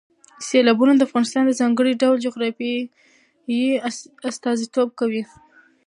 سیلابونه د افغانستان د ځانګړي ډول جغرافیې استازیتوب کوي.